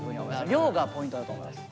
量がポイントだと思います。